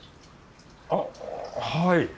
あぁはい。